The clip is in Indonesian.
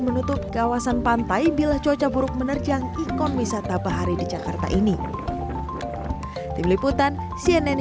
menutup kawasan pantai bila cuaca buruk menerjang ikon wisata bahari di jakarta ini tim liputan cnn